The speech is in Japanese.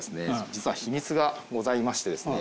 実は秘密がございましてですね。